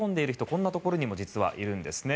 こんなところにも実はいるんですね。